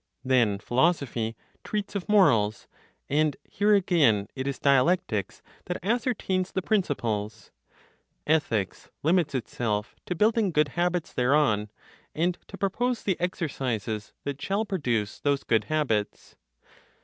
Then philosophy treats of morals, and here again it is dialectics that ascertains the principles; ethics limits itself to building good habits thereon, and to propose the exercises that shall produce those good habits.